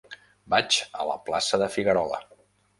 Vaig a la plaça de Figuerola.